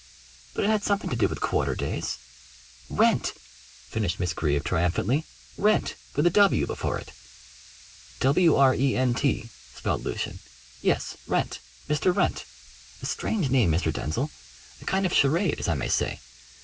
But it had something to do with quarter days. Rent!" finished Miss Greeb triumphantly. "Rent, with a 'W' before it." "W r e n t!" spelled Lucian. "Yes. Wrent! Mr. Wrent. A strange name, Mr. Denzil a kind of charade, as I may say.